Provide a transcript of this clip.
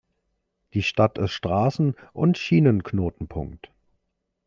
Die Stadt ist Straßen- und Schienen-Knotenpunkt.